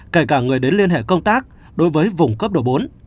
kể cả người đến liên hệ công tác đối với vùng cấp độ bốn